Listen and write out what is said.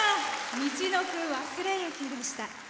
「みちのく忘れ雪」でした。